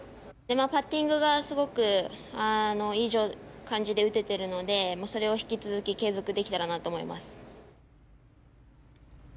パッティングがすごくいい感じで打てているのでそれを引き続き継続できたらなと思います。